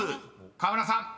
河村さん］